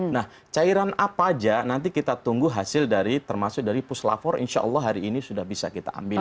nah cairan apa aja nanti kita tunggu hasil dari termasuk dari puslapor insya allah hari ini sudah bisa kita ambil